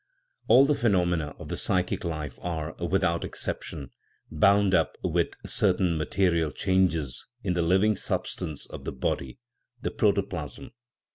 All the phenomena of the psychic life are, without exception, bound up with certain material changes in the living substance of the body, the protoplasm.